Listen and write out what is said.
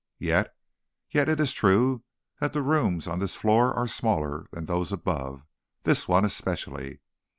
Yet yet it is true that the rooms on this floor are smaller than those above, this one especially."